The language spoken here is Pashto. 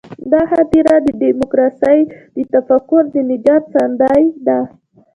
دا هدیره د ډیموکراسۍ د تفکر د نجات ساندې ده.